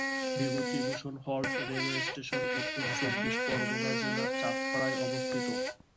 Bibhutibhushan halt railway station Uttar Chabbish Pargana জেলার চাঁদপাড়ায় অবস্থিত।